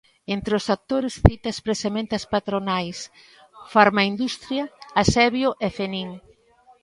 Entre os actores cita expresamente as patronais Farmaindustria, Asebio e Fenin.